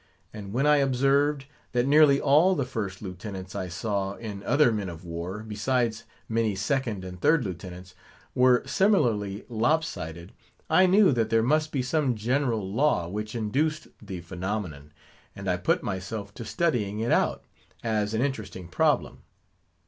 And when I observed, that nearly all the First Lieutenants I saw in other men of war, besides many Second and Third Lieutenants, were similarly lop sided, I knew that there must be some general law which induced the phenomenon; and I put myself to studying it out, as an interesting problem.